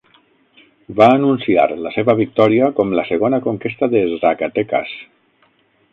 Va anunciar la seva victòria com "la segona conquesta de Zacatecas.